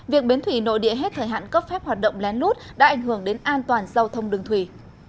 việc bến thủy nội địa hết thời hạn cấp phép hoạt động lén lút đã ảnh hưởng đến an toàn giao thông đường thủy